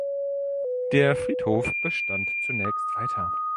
Der Friedhof bestand zunächst weiter.